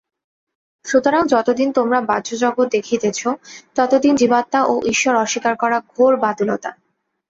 সুতরাং যতদিন তোমরা বাহ্যজগৎ দেখিতেছ, ততদিন জীবাত্মা ও ঈশ্বর অস্বীকার করা ঘোর বাতুলতা।